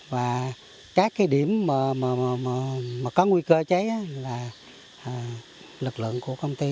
và các cái điểm mà có nguy cơ cháy là lực lượng của công ty